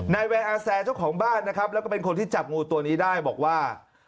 นายแวร์อาแซร์เจ้าของบ้านนะครับแล้วก็เป็นคนที่จับงูตัวนี้ได้บอกว่า